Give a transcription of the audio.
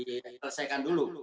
kemudian perlu dikesehatkan dulu